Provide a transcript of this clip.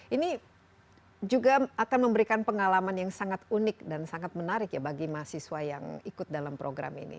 ini juga akan memberikan pengalaman yang sangat unik dan sangat menarik ya bagi mahasiswa yang ikut dalam program ini